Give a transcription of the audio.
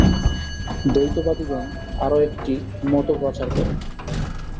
দ্বৈতবাদিগণ আর একটি মতও প্রচার করেন।